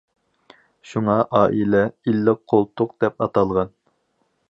شۇڭا ئائىلە« ئىللىق قولتۇق» دەپ ئاتالغان.